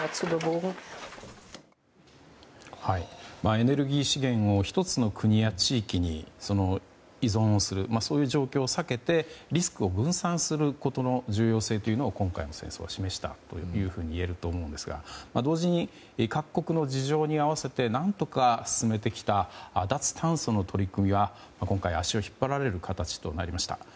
エネルギー資源を１つの国や地域に依存する状況を避けてリスクを分散させることの重要性というのを今回の戦争は示したというふうにいえると思うんですが同時に、各国の事情に合わせて何とか進めてきた脱炭素の取り組みが今回足を引っ張られる形となりました。